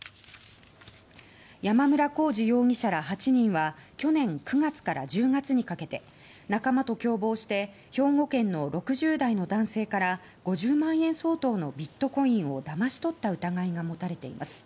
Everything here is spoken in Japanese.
山村耕二容疑者ら８人は去年９月から１０月にかけて仲間と共謀して兵庫県の６０代の男性から５０万円相当のビットコインをだまし取った疑いが持たれています。